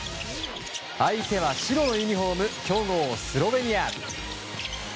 相手は白のユニホーム強豪、スロベニア。